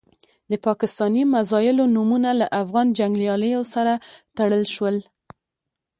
د پاکستاني میزایلو نومونه له افغان جنګیالیو سره تړل شول.